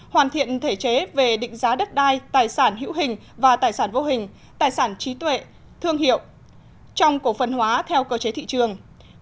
hoàn thiện thể chế về định giá đất đai tài sản hữu hình và tài sản vô hình tài sản trí tuệ thương hiệu trong cổ phần hóa theo cơ chế thị trường